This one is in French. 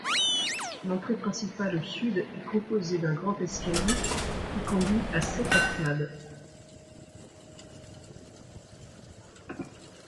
L’entrée principale au sud est composée d'un grand escalier qui conduit à sept arcades.